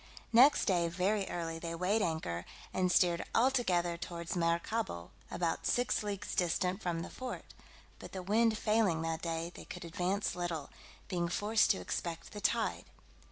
Next day, very early, they weighed anchor, and steered altogether towards Maracaibo, about six leagues distant from the fort; but the wind failing that day, they could advance little, being forced to expect the tide.